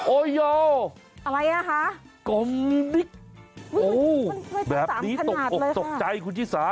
โยอะไรอ่ะคะกลมบิ๊กโอ้แบบนี้ตกอกตกใจคุณชิสา